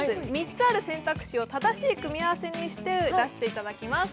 ３つある選択肢を正しい組み合わせにして出していただきます。